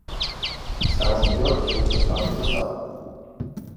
Estamos mellor que outras partes do Estado?